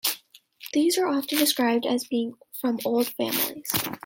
These are often described as being from "old" families.